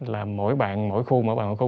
là mỗi bạn mỗi khu mỗi bạn mỗi khu